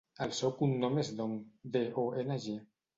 El seu cognom és Dong: de, o, ena, ge.